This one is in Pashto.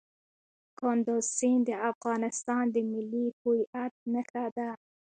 کندز سیند د افغانستان د ملي هویت نښه ده.